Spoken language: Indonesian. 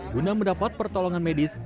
bunda mendapat pertolongan medis